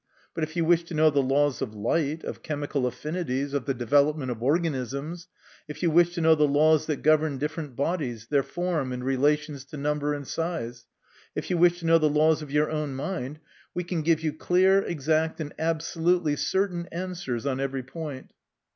But if you wish to know the laws of light, of chemical affinities, of the development of organisms ; if you wish to know the laws that govern different bodies, their form, and relations to number and size ; if you wish to know the laws of your own mind, we can give you clear, exact, and absolutely certain answers on every point."